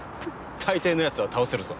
大抵の奴は倒せるぞ。